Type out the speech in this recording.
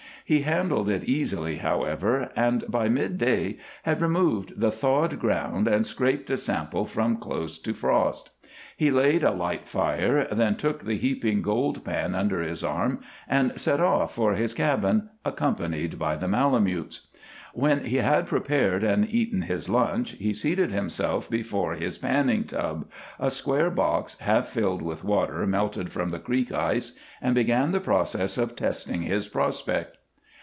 He handled it easily, however, and by midday had removed the thawed ground and scraped a sample from close to frost. He laid a light fire, then took the heaping gold pan under his arm and set off for his cabin, accompanied by the malamutes. When he had prepared and eaten his lunch he seated himself before his panning tub, a square box half filled with water melted from the creek ice, and began the process of testing his prospect.